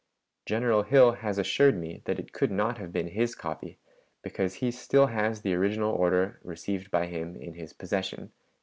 General Hill has assured me that it could not have been his copy, because he still has the original order received by him in his possession."